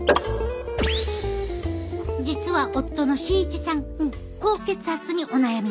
実は夫の慎一さん高血圧にお悩み！